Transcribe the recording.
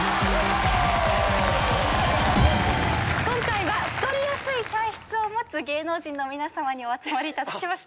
今回は太りやすい体質を持つ芸能人の皆さまにお集まりいただきました。